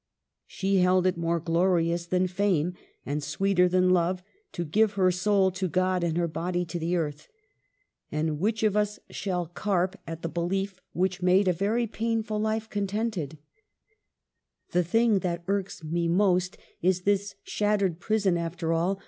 She held it more glorious than fame, # and sweeter than love, to give her soul to God and her body to the earth. And which of us shall carp at 314 EMILY BRONTE. the belief which made a very painful life con tented ?," The thing that irks me most is this shat tered prison, after all.